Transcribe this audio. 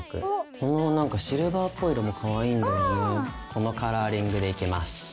このカラーリングでいきます。